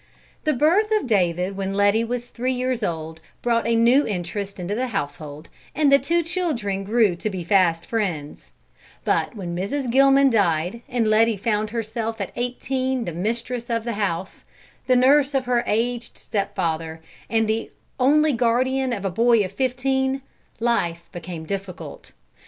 The birth of David when Letty was three years old, brought a new interest into the household, and the two children grew to be fast friends; but when Mrs. Gilman died, and Letty found herself at eighteen the mistress of the house, the nurse of her aged stepfather, and the only guardian of a boy of fifteen, life became difficult.